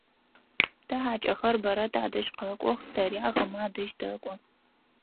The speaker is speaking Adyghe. Тэ хьакӏэхэр бэрэ тадэжь къэкӏох, тэри ахэмэ адэжь тэкӏо.